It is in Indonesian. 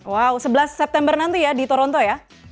wow sebelas september nanti ya di toronto ya